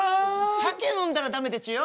酒飲んだらダメでちゅよ。